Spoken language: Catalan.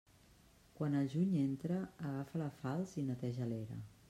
Quan el juny entra, agafa la falç i neteja l'era.